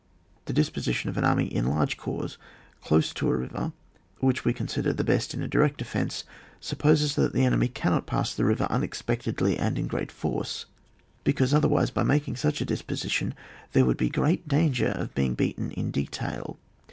The disposition of an army in large corps close to a river which we consider the best in a direct defence, supposes that the enemy cannot pass the river unex pectedly and in great force, because otherwise, by making such a disposition, there would be great danger of being beaten in detail.